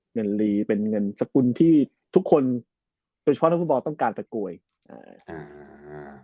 ลีเป็นเงินสกุลที่ทุกคนโดยเฉพาะนักฟุตบอลต้องการตะโกยอ่าอ่า